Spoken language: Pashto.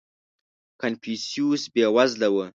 • کنفوسیوس بېوزله و.